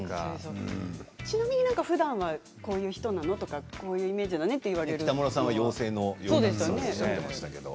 ちなみにふだんはこういう人だねとかこういうイメージだねと北村さんは妖精と言ってましたけど。